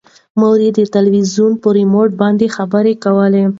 مور یې د تلویزون په ریموټ باندې خبرې کولې.